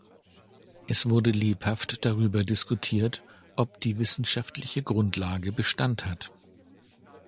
Es wurde lebhaft darüber diskutiert, ob die wissenschaftliche Grundlage Bestand hat.